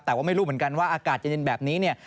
แต่ว่าไม่รู้เหมือนกันว่าอากาศเย็นแบบนี้เนี่ย